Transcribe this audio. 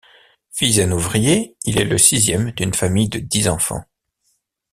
Fils d'un ouvrier, il est le sixième d'une famille de dix enfants.